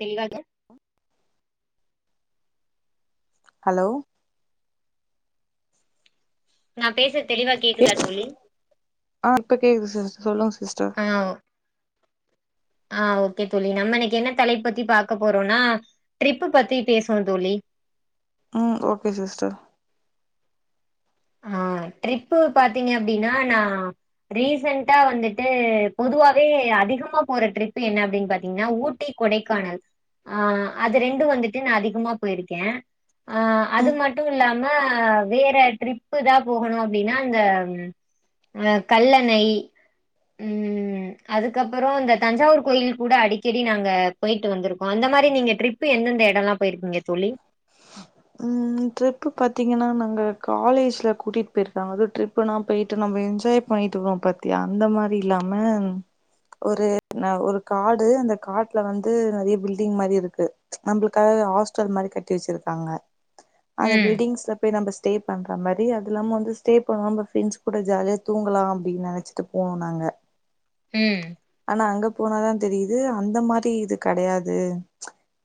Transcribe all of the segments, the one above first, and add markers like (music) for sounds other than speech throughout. தெல்லாக hello நா பேச தெளிவா கே கேக்குதா தோழி ஆ இப்ப கேக்குது சிஸ்டர் சொல்லுங்க சிஸ்டர் ஆ ஓகே தோழி நம்ம இன்னைக்கு என்ன தலைப்பு பத்தி பாக்க போறோம்னா ட்ரிப்பு பத்தி பேசுவோ தோழி ம் ஓகே சிஸ்டர் ஆ ட்ரிப்பு பாத்தீங்க அப்டின்னா நா ரீசன்டா வந்துட்டு பொதுவாவே அதிகமா போற ட்ரிப் என்ன அப்டின்னு பாத்தீங்கன்னா ஊட்டி கொடைக்கானல் ஆ அது ரெண்டு வந்துட்டு நா அதிகமா போயிருக்கே அ அது ம் மட்டு இல்லாம வேற ட்ரிப் ப்பு தா போகணு அப்டின்னா இந்த அ கல்லணை ம் அதுக்கப்புறோ இந்த தஞ்சாவூர் கோயில் கூட அடிக்கடி நாங்க போயிட்டு வந்திருக்கோ அந்த அந்த மாரி நீங்க ட்ரிப் எந்தெந்த எடோலா போயி இருக்கீங்க தோழி (unintelligible) ம் ட்ரிப்பு பாத்தீங்கன்னா நாங்க காலேஜ்ல கூட்டிட்டு போயிருக்காங்க அது ட்ரிப்புனா போயிட்டு நம்ம என்ஜாய் பண்ணிட்டு இருக்கோ பத்தியா அந்த மாரி இல்லாம ஒரு ந ஒரு காடு அந்த காட்ல வந்து நறைய பில்டிங் மாரி இருக்கு நம்மளுக்கா எதோ ஹாஸ்டல் மாரி கட்டி வெச்சிருக்காங்க அந்த ம், பில்டிங்ஸ்ல போய் நம்ப ஸ்டே பண்ற மாரி அது இல்லாம வந்து ஸ்டே பண்ணுவோ நம் ஃப்ரெண்ட்ஸ் கூட ஜாலிய தூங்கலாம் அப்டின்னு நெனச்சிட்டு போகணோ நாங்க அ ம் ஆனா அங்க போனாதா தெரியுது அந்த மாரி இது கெடையாது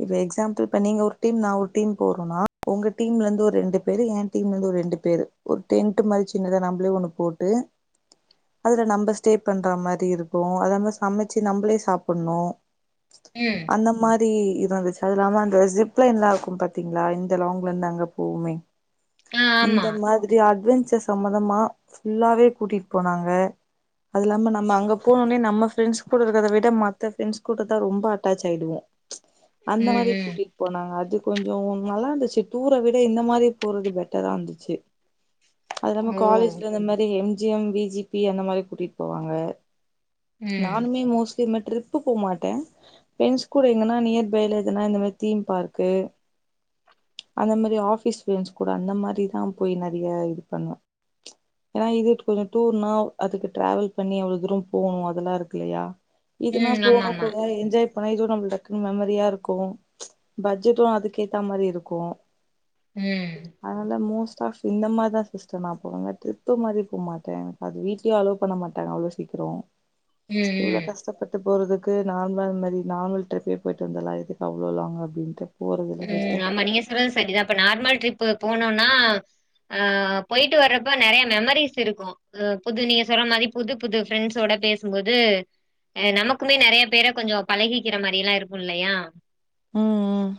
இப்ப எக்ஸாம்பிள் இப்ப நீங்க ஒரு டீம் நா ஒரு டீம் போறோனா உங்க டீம்ல இருந்து ஒரு ரெண்டு பேர் என் டீம்ல இருந்து ஒரு ரெண்டு பேரு ஒரு டென்ட் மாரி சி சின்னத நம்மளே ஒன்னு போட்டு அதுல நம்ம ஸ்டே பண்ற மாரி இருக்கு அத மா சமைச்சு நம்மளே சாப்புட்னு ம். அந்த மா ப்படி இருந்துச்சி அது இல்லாம அந்த ஜிப்லைன்லா இருக்கு பாத்தீங்ளா இந்த லாங்ல இருந்து அங்க போவுமே ஆ ஆமா. இந்த மாதிரி அட்வென் சி சம்மதமா ஃபுல்லாவே கூட்டிட்டு போனாங்க அது இல்லாம நம்ம அங்க போனோனே நம்ம ஃப்ரண்ட்ஸ் கூட இருக்கறத விட மத்த ஃப்ரண்ட்ஸ் கூடா தான் ரொம்ப அட்டாச் ஆயிடுவோ அந்த ம், மாரி ம். கூட்டிட்டு போனாங்க அது கொஞ்சம் உ நால்லா இருந்துச்சி டூர விட இந்த மாரி போறது பெட்டரா இருந்துச்சி அது இல்லாம ஓ! காலேஜ்ல இந்த மாதி M G M V G P அந்த மாரி கூட்டிட்டு போவாங்க ம், நானுமே மோஸ்ட்லி இந் மாரி ட்ரிப்பு போ மாட்டே ஃப்ரண்டஸ் கூட எங்கன்னா நியர் பைல எதனா இந்த மாரி தீம் பார்க்கு அந்த மாரி ஆஃபீஸ் ஃப்ரெண்ட்ஸ் கூட அந்த மாரிதா போய் நறைய இது பண்ணுவே ஏன்னா இது கொஞ்சோ டூர்னா அதுக்கு டிராவல் பண்ணி அவ்ளோ தூரோ போணோ அது அதுல்ல இருக்கு இல்லையா இதுனா ம். போனு ஆமாமா. கொஞ்ச நேரோ என்ஜாய் போனா நம்மளுக் டக்குன்னு மெமரியா இருக்கு பட்ஜெட்டு அதுக்கேத்தா மாரி இருக்கு ம், அதனால மோஸ்ட் டா இந்த மாரி தா சிஸ்டர் நா போவே ட்ரிப் மாரி போமாட்டே எனக்கு அது வீட்லயே அலோ பண்ண மாட்டாங்க அவ்ளோ சீக்கி டோ ம், இவ்ளோ ம். கஷ்டப்பட்டு போறதுக்கு நார்மலா இந் மாரி நார்மல் ட்ரிப்பே போயிட்டு வந்துட்லா எதுக்கு அவ்ளோ லாங்க அப்டின்ட்டு போறதில்ல ம் சிஸ்டர் ஆமா நீங்க சொல்றது சரிதா இப்ப நார்மல் ட்ரிப்பு போனோம்னா ஆ போயிட்டு வரப்ப நெறைய மெமரிஸ் இருக்கு அ புது நீங்க சொல்ற மாரி புது புது ஃப்ரெண்ட்சோட பேசும்போது அ நமக்குமே நறைய பேர கொஞ்சோ பழகிக்கிற மாரில்லா இருக்கு இல்லையா ம் ம்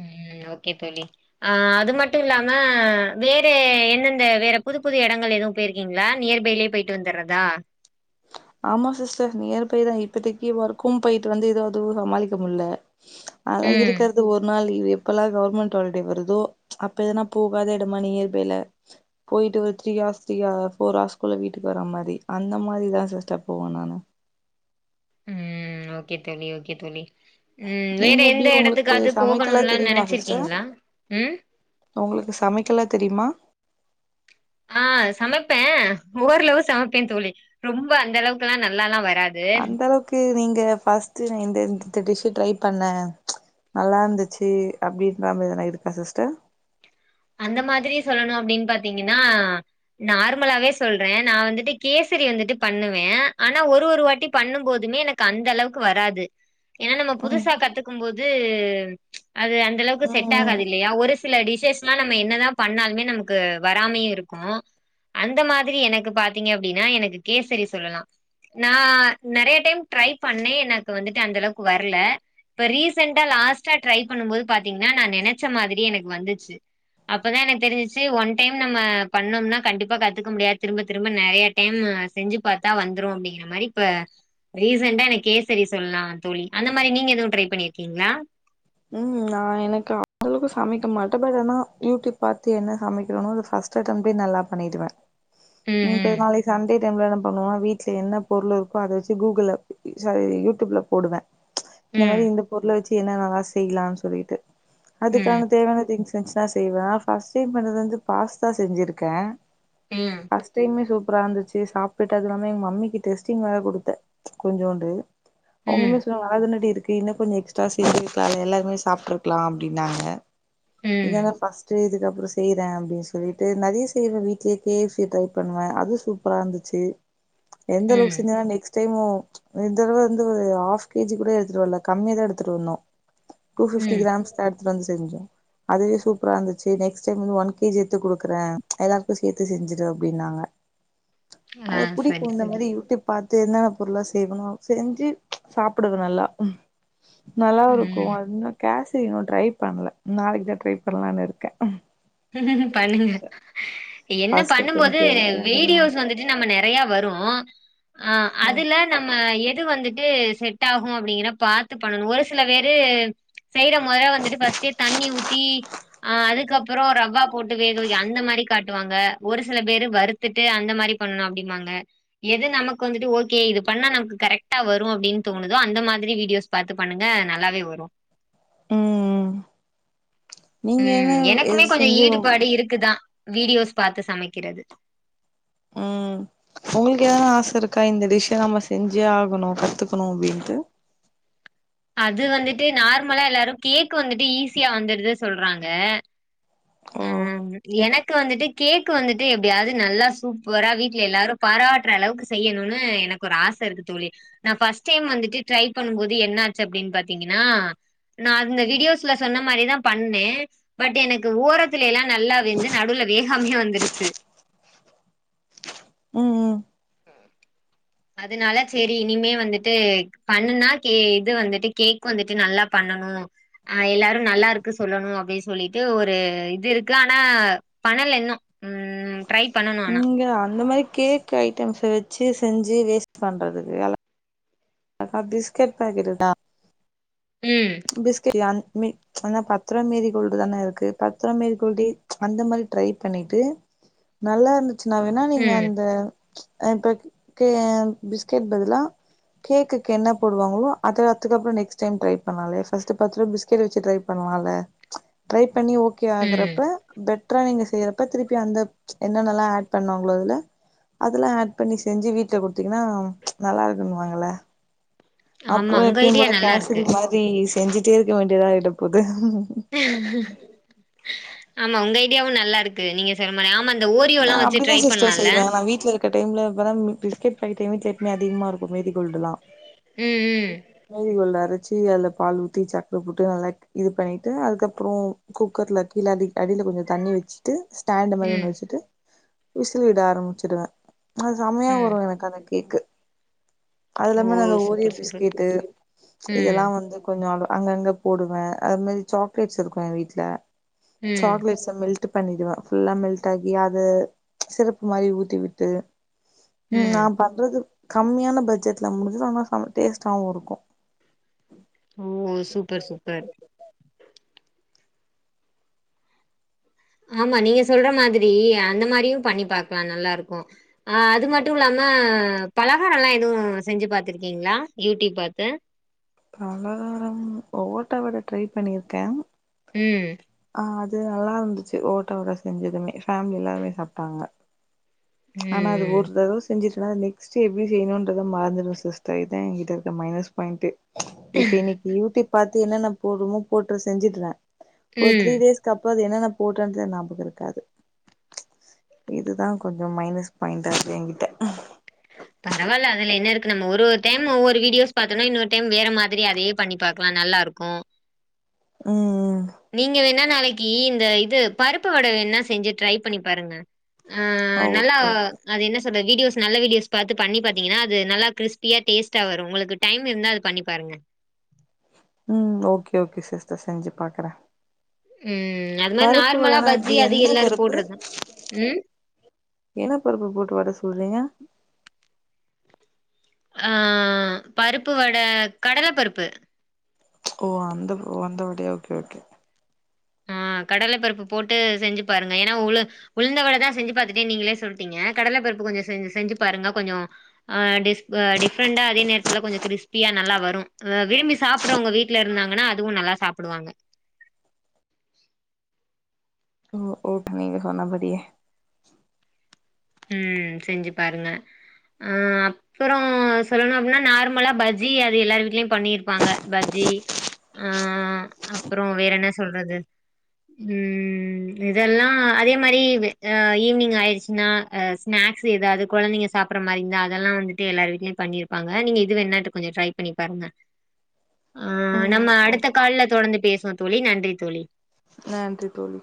ம் ஓகே தோழி ஆ அது மட்டு இல்லாம வேற எந்தெந்த வேற புது புது எடங்கள் எதுவு போயிருக்கீங்களா நியர்பைலயே போயிட்டு வந்துட்றதா ஆமா சிஸ்டர் நியர் பை தா இப்பத்திக்கி ஒர்க்கும் போயிட்டு வந்து இத அதுவு சமாளிக்க முடியல ஆனா ம் இருக்கற்து ஒர் நாள் லீவு எப்பெல்லா கவுர்மெண்ட் ஹால்டே வருதோ அப்ப எதுனா போகாத எடமா நியர்பைல போய்ட்டு ஒரு three hours three or four ஹார்ஸ்க்குள்ள வீட்டுக்கு வர மாரி அந்த மாதிதா சி்ஸ்டர் போவோ நானு ம் ஓகே தோழி ஓகே தோழி ம் வேற நீங்க எப்டி எந்த உங்களுக்கு எடத்துக்காது சமைக்கலா போகணுன்லா தெரியுமா நெனச்சிருக்கீங்ளா ம் ஒங்களுக்கு சமைக்கலா தெரிமா ஆ சமப்பே ஓர்ளவு சமப்பேன் தோழி ரொம்ப அந்த அளவுக்குலா நல்லாலா வர் அந்த அளவ்க்கு நீங்க ஃபஸ்ட்டு நேந்த இந்திந்த டிஸ்ஸு ட்ரை பண்ண நல்லா இருந்துச்சு அப்டின்ற மாரி எதனா இருக்கா சிஸ்டர் அந்த மாதிரி சொல்லணு அப்டின் பாத்தீங்குனா நார்முலாவே சொல்றேன் நான் வந்துட்டு கேஸ் சரி வந்துட்டு பண்ணுவேன் ஆனா ஒரு ஒரு வாட்டி பண்ணும்போதுமே எனக்கு அந்த அளவுக்கு வராது ஏனா நம்ம ம் புதுசா கத்துக்கும் போது அது அந்த அளவ்க்கு ம் செட் ம் ஆகாது இல்லையா ஒரு சில டிஷஸ்லா நம்ம என்னதா பண்ணாலுமே நமக்கு வராமியே இருக்கு அந்த மாதிரி எனக்கு பாத்தீங்க அப்டினா எனக்கு கேசரி சொல்லலா நா நெறைய டைம் ட்ரை பண்ணேன் எனக்கு வந்துட்டு அந்த அளவ்க்கு வர்ல இப்ப ரீசெண்டா லாஸ்ட்டா ட்ரை பண்ணும் போது பாத்தீங்ன்னா நா நெனச்ச மாதிரி எனக்கு வந்துச்சு அப்பதா எனக்கு தெரிஞ்சிச்சு ஒன் டைம் நம்ம பண்ணோம்னா கண்டிப்பா கத்துக்க முடியாது திரும்ப திரும்ப நெறைய டைம் இல் நா செஞ்சு பாத்தா வந்துரு அப்டிங்கிற மாரி இப்ப ரீசன்டா எனக் கேசரி சொல்லா தோழி அந்த மாரி நீங்க எதூ ட்ரை பண்ணிருக்கீங்ளா ம் நான் எனக்கு (inaudible) அளவுக்கு சமைக்க மாட்ட பட் ஆனா யூடியூப் பாத்து என்ன சமைக்றனோ அத ஃபஸ் ட்டு அட்டம்லே நல்லா பண்ணிடுவேன் ம் பெர் நாளே சண்டே டைம்ல என்ன பண்ணுவ வீட்ல என்ன பொருள் இருக்கோ அத வச்சு கூகுள சாரி யூடியூப்ல போடுவ இந்த மாரி ம் இந்த பொருள வச்சு என்னனலா செய்லான் சொல்லிட்டு ம் அதுக்கான தேவ்யான திங்ஸ் இர்ந்ஸ்னா செய்வேன் ஃபஸ்ட் டைம் பண்ணது வந்து பாஸ்தா செஞ்சிருக்கேன் ம் ஃபஸ்ட்டு டைமே சூப் ப்றா வந்துச்சு சாப்ட்டுட்டு அது இல்லாம எங்க மம்மிக்கு டெஸ்டிங் வேற குடுத்தேன் கொஞ்சோண்டு அவுங்க ம் சொன்னாக நல்லாதானடி இருக்கு இன்னு கொஞ்சோ எக்ஸ்ட்ரா செய் வேண்டி கால்ல எல்லாருமே சாப்ட்ருக்லா அப்டின்னாங்க ம் ம் இதான ஃபஸ்ட்டு இதுக்கப் புறு செய்றேன் அப்டின் சொல்லிட்டு நறைய செய்வேன் வீட்லே கே ஃஎப் சி ட்ரை பண்ணுவ அதூ சூப்புரா வந்துச்சு எந்தளவுக் ம் செஞ்சனா நெக்ஸ் செய்மு இந்தடவ வந்து ஒரு ஆஃப் கேஜி கூட எடுத்துட்டு வர்ல கம்மிதா எடுத்துட்டு வந்தோ டூ ஃபிப்டி ம் கிராம்ஸ் தா எடுத்துட்டு வந்து செஞ்சோ அதுவே சூப்புரா இருந்துச்சு நெக்ஸ்ட் டைம் வந்து ஒன் கேஜி எட்த்து குடுக்குறேன் எல்லாருக்கு சேத்து செஞ்சுடு அப்டின்னாங்க (unintelligible) ஆ அத புடிக்கு சரி இந்த சரி மாரி யூடியூப் பாத்து என்னென்ன பொருளா சேக்கனு செஞ்சு சாப்புடுது நல்லா நல்லா ஒரு க்கு ம் ஒண்ணு கேசரி இன்னு ட்ரை பண்ல நாளைக்கு தா ட்ரை பண்லான் இருக்கே பண்ணுங்க என்ன ஃபர்ஸ்ட் பண்ணும்போது அட்டம்ப்ட்டே ஓகே ஆகுதா வீடியோஸ் வந்துட்டு நம்ம நெ றையா வரு ம் அதுல நம்ம எ து வந்துட்டு செட் ஆகு அப்டிங்கிற பாத்து பண்ணணு ஒரு சில வேறு செய்ற மொற வந்துட்டு ஃபஸ்ட்டே தண்ணி ஊத்தி ஆ அதுக்கப் அப்புறோ ரவா போட்டு வேக வைக அந்த மாரி காட்டுவாங்க ஒரு சில பேரு வறுத்துட்டு அந்த மாரி பண்ணு அப்டிம்பாங்க அ எது நமக்கு வந்துட்டு ஓகே இது பண்ணா நமக்கு கரெக்டா வரு அப்டின் தோணுதோ அந்த மாதிரி வீடியோஸ் பாத் து பண்ணுங்க நல்லாவே வரு ம் நீங்க என்ன ம் எனக்குமே எது கொஞ்ச செஞ்சு ஈடுபாடு இருக்குதா வீடியோஸ் பாத்து சமைக்கிறது ம் உங்ளுக்கு எதானா ஆச இருக்கா இந்த டிஷ்ஷ நம்ம செஞ்சே ஆகணு கத்துக்குணு அப்டின்ட்டு அது வந்துட்டு நார்மலா எல்லாரு கேக் வந்துட்டு ஈஸியா வந்திருது சொல்றாங்க ஓ ம். எனக்கு வந்துட்டு கேக் வந்துட்டு எப்டியாவது நல்லா சூப்பரா வீட்ல எல்லாரு பாராட்ற அளவுக்கு செய்யணுனு எனக்கு ஒரு ஆச இருக்கு தோழி நா பஸ்ட் டைம் வந்துட்டு ட்ரை பண்ணும்போது என்னாச்சு அப்டினு பாத்தீங்கனா னா நா அந்த வீடியோஸ்ல சொன்ன மாரிதா பண்ணே பட் எனக் க்கு ஓரத்துல எல்லா நல்லா வெந்து நடுல வேகாமியே வந்துருச்சு உம் ம் அதனால சேரி இனிமே வந்துட்டு பண்ணுனா கே இது வந்துட்டு கேக் வந்துட்டு நல்லா பண்ண னனு அ எல்லாரு நல்லாருக்கு சொல்லணு அப்டி சொல்லிட்டு ஒரு இது இருக்கு ஆனா அனல இன்னு உம் இங்க அந்த மாரி கேக்கு ஐட்டம்ஸ் வச்சுஸ் செஞ்சி வேஸ்ட் பண்றதுக்குலா அதா பிஸ்கெட் பேக்கெட்டு தா ம். பிஸ்கட் யான் மே ஆனா பத்ருவா மேரி கோல்டுதான இருக்கு பத்ருவா மேரி கோல்டியே அந்த மாரி ட்ரை பண்ணிட்டு நல்லாருந்துச்சு நா வேணா நீங்க ம் அந்த இப்ப கே பிஸ்கெட் பதிலா கேக்குக்கு என்ன போடுவாங்களோ அது அதுக்கப்புற நெஸ்ட் டைம் ட்ரை டன்னாலே ஃபஸ்ட்டு பத்ருவா பிஸ்கேட்ட வச்சு ட்ரை பண்லால ட்ரைப் பண்ணி ஓக்கே ம் ஆகறப்ப பெட் ட்றா நீங்க செய்யறப்ப திருப்பி அந்தப் என்னென்னலா ஏட் பண்ணாங்களோ அதுல அதுலா ஏட் பண்ணி செஞ்சி வீட்ல குடுத்தீங்கனா நல்லாருக்குனு வாங்கல்ல ஆமா அப்புற உங்க எப்பியு ஐடியா போல நல்லா இருக்கு கேசரி மாரி செஞ்சிட்டே இருக்க வேண்டியதாய்ட போது ஆமா உங்க ஐடியாவு நல்லாருக்கு நீங்க சொன்ன மாரி ஆமா இந்த ஓரியோலா வச்சு ட்ரை பண்லால்ல க்க டைம்ல இப்பதா ம் பிஸ்கேட் பாக்கெட்டு எங்க வீட்ல எப்பமே அதிகமாருக்கு மேரி கோல்டுலா (unintelligible) ம் ம் அரச்சி அதல பால் ஊத்தி சக்கர போட்டு நல்லாக் இது பண்ணிட்டு அதுக்கப்றோ குக்கர்ல கீழ அடிக் அடில கொஞ்ச தண்ணி வச்சிட்டு ஸ்டாண்ட்டு மாரி ஒன்னு ம் வச்சிட்டு விசில் விட ஆரம்பிச்சிடுவே அது செம்மையா ம் வரு எனக்கு அந்த கேக்கு ஓ அதுலாம அந்த ஓரியோ சூப்பர் சூப்பர் பிஸ்கேட்டு ம் இதெல்லா வந்து கொஞ்ச அல அங்கங்க போடுவே அந்த மேரி சாக்லேட்ஸ் இருக்கு ஏ வீட்ல ம் சாக்லேட்ஸ மெல்ட்டு பண்ணிடுவே ஃபுல்லா மெல்ட்டாகி அத சிறப் மாரி ஊத்தி விட்டு உம் ம் நா பண்றது கம்மியான பட் ஜெட்ல முடிஞ்சுரு ஆனா செம்ம டேஸ்ட்டாவு இருக்கு ஓ சூப்பர் சூப்பர் ஆமா நீங்க சொல்ற மாதிரி அந்த மாரியு பண்ணி பாக்லா நல்லாருக்கு ஆ அது மட்டுமிலாம அ பலகாரெல்லா எதுவு செஞ்சு பா்த்திருக்கீங்ளா யூடியூப் பாத்து பலகாரம் ஓட்ட வட ட்ரை பண்ணிருக்கே உம் அது நல்லாருந்துச்சு ஓட்ட வட செஞ்சதுமே ஃபேமிலி எல்லாருமே சாப்டாங்க ஆனா அது ம் ஒரு தரவ செஞ்சிரு எனா நெக்ஸ்டு எப்டி செய்ணுன்றத மறந்துருவ சிஸ்டர் இதா எங்கிட்ட இருக்க மைனஸ் பாயிண்ட்டு இப்ப இன்னைக்கி யூடியூப் பாத்து என்னென்ன போட்றமோ போட்ரு செஞ்சிட்ற ஒரு ம் த்ரீ டேஸ்கப் ப்பது என்னென்ன போட்டன்ற ஞாபகருக்காது இதுதா கொஞ் ச மைனஸ் பாயிண்ட்டாகு எங்கிட்ட பரவால்ல அதுல என்ன இருக்கு நம்ம ஒரு ஒரு டைம் ஒவ்வொரு வீடியோஸ் பாத்தோனா இன்னொரு டைம் வேற மாதிரி அதையே பண்ணி பாக்லான் நல்லாருக்கு உம் உம் நீங்க வேணா நாளைக்கு இந்த இது பருப்பு வட வேண்னா செஞ்சு ட்ரை பண்ணி பாருங்க ஆ நல்லா அது என்ன சொல்ற வீடியோஸ் நல்ல வீடியோஸ் பாத்து பண்ணி பாத்தீங்கனா அது நல்லா கிரிஸ்பியா டேஸ்ட்டா வரு உங்களுக்கு டைம் இருந்தா அது பண்ணி பாருங்க உம் ஓகே ஓகே சிஸ்டர் செஞ்சு பாக்ற உம் அது மாதிரி நார்மலா பஜ்ஜி எப்டி அது என்ன எல்லாரு பருப்பு போடுறதுதான் உம் என்ன பருப்பு போட்டு வட சுடுறீங்க ஆஹ் பருப்பு வட கடல பருப்பு ஓ அந்த அந்தவடையா ஓகே ஓகே ஆஹ் ஆஹ் கடலை பருப்பு போட்டு செஞ்சு பாருங்க ஏன்னா உளு உளுந்தவட தான் செஞ்சு பாத்துட்டே நீங்களே சொல்டீங்க கடலை பருப்பு இப்ப கொஞ்ச செஞ் செஞ்சு பாருங்க கொஞ்ச ஆஹ் டிஃப் டிஃபரெண்டா அதே நேரத்தில கொஞ்ச கிரிஸ்பியா நல்லா வரும் விரும்பி சாப்டுறவங்க வீட்ல இருந்தாங்கன்னா அதுவும் நல்லா சாப்டுவாங்க ஓ ஓகேங்க நீங்க சொன்ன படியே உம் செஞ்சு பாருங்க ஆஹ் அப்புறம் சொல்லணு அப்படின்னா நார்மலா பஜ்ஜி அது எல்லார் வீட்லயும் பண்ணிருப்பாங்க பஜ்ஜி இப்டி அஹ் அப்புறம் வேற என்ன சொல்றது உம் இதெல்லா அதே மாதிரி ஈவினிங் ஆயிடுச்சுன்னா ஆஹ் ஸ்நாக்ஸ் ஏதாவது கொழந்தைங்க சாப்டுற மாரி இருந்தா அதெல்லா வந்துட்டு எல்லார் வீ்ட்லயும் பண்ணிருப்பாங்க நீங்க இது வேனாட்டு கொஞ்ச ட்ரை பண்ணி பாருங்க ஆஹ் நம்ம ம் அடுத்த ஓகே கால்ல தொடர்ந்து பேசுவோம் தோழி நன்றி தோழி நன்றி தோழி